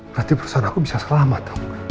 berarti perusahaan aku bisa selamat